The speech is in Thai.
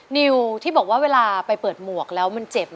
นิวที่บอกว่าเวลาไปเปิดหมวกแล้วมันเจ็บ